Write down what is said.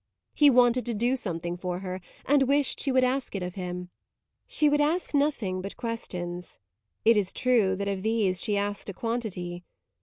He wanted to do something for her and wished she would ask it of him. She would ask nothing but questions; it is true that of these she asked a quantity.